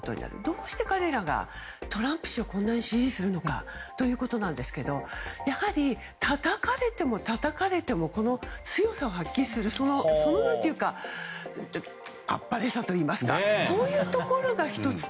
どうして彼らがトランプ氏をこれだけ支持するのかですがたたかれてもたたかれても強さを発揮するあっぱれさといいますかそういうところが１つ。